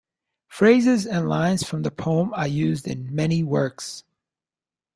Phrases and lines from the poem are used in many works.